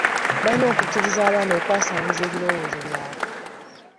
Balina okukkiriza abaana okwasanguza ebirowoozo byabwe.